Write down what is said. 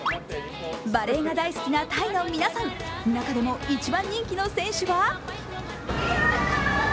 バレーが大好きなタイの皆さん、中でも一番人気の選手は？